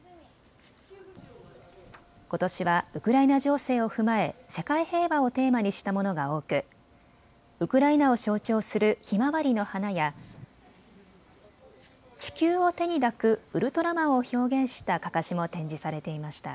ことしはウクライナ情勢を踏まえ世界平和をテーマにしたものが多くウクライナを象徴するひまわりの花や地球を手に抱くウルトラマンを表現したかかしも展示されていました。